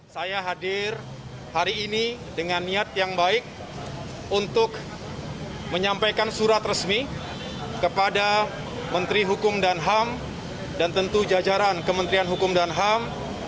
saya hadir hari ini dengan niat yang baik untuk menyampaikan surat resmi kepada menteri hukum dan ham dan tentu jajaran kementerian hukum dan ham